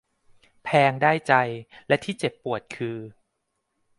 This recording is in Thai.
แพงได้ใจและที่เจ็บปวดคือ